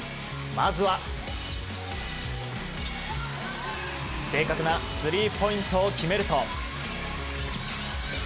まずは、正確なスリーポイントを決めると。